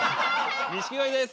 錦鯉です。